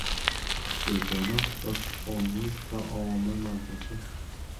• Begona dasturxonning taomi mazasiz.